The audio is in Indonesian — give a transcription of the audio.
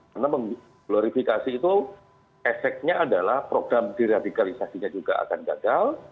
karena mengglorifikasi itu efeknya adalah program diradikalisasinya juga akan gagal